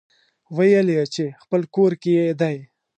ويل يې چې خپل کور يې دی.